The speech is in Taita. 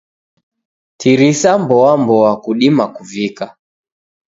Tirisa mboamboa, kudima kuvika.